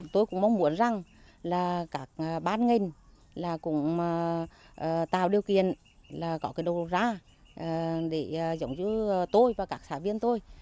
tôi cũng mong muốn rằng là các bán ngành là cũng tạo điều kiện là có cái đầu ra để giống như tôi và các xã viên tôi